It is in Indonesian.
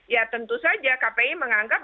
ya tentu saja kpi menganggap